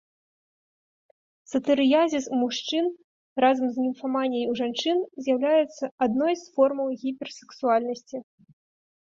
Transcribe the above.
Сатырыязіс у мужчын разам з німфаманіяй у жанчын з'яўляецца адной з формаў гіперсексуальнасці.